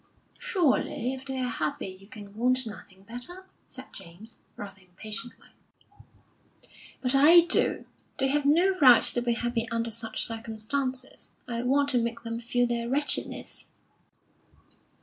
"Surely, if they're happy, you can want nothing better," said James, rather impatiently. "But I do. They have no right to be happy under such circumstances. I want to make them feel their wretchedness."